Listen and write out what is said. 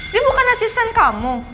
dia bukan asisten kamu